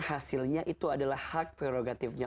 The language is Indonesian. hasilnya itu adalah hak prerogatifnya